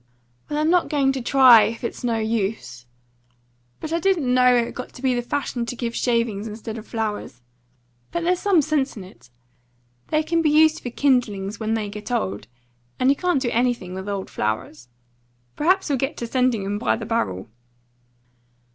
"Well, I'm not going to try, if it's no use. But I didn't know it had got to be the fashion to give shavings instead of flowers. But there's some sense in it. They can be used for kindlings when they get old, and you can't do anything with old flowers. Perhaps he'll get to sending 'em by the barrel."